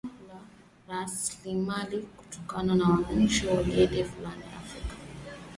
suala la rasilimali kutowanufaisha wananchi si geni barani afrika